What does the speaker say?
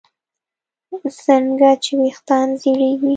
څنګه چې ویښتان زړېږي